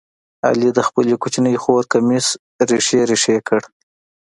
علي د خپلې کوچنۍ خور کمیس ریخې ریخې کړ.